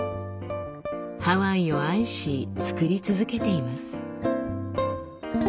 ハワイを愛し作り続けています。